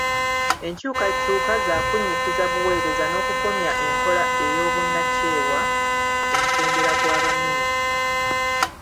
Enkyukakyuka ya kunnyikiza buweereza n’okukomya enkola ey’obwannakyewa ku mutendera gwa Baminisita.